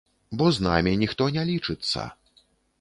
Бо з намі ніхто не лічыцца!